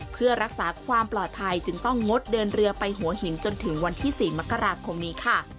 เพื่อรักษาความปลอดภัยจึงต้องงดเดินเรือไปหัวหินจนถึงวันที่๔มกราคมนี้ค่ะ